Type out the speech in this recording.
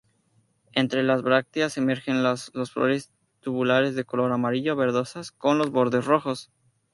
Entre las brácteas emergen las flores tubulares de color amarillo-verdosas, con los bordes rojos.